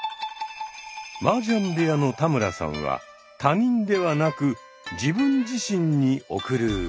マージャン部屋の田村さんは他人ではなく自分自身に贈る歌。